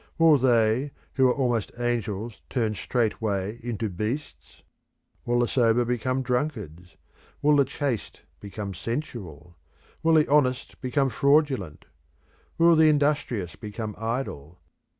Will they who are almost angels turn straightway into beasts? Will the sober become drunkards? Will the chaste become sensual? Will the honest become fraudulent? Will the industrious become idle?